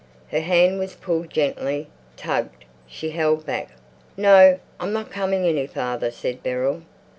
Her hand was pulled gently, tugged. She held back. "No, I'm not coming any farther," said Beryl.